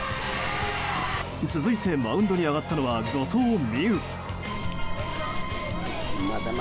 続いてマウンドに上がったのは後藤希友。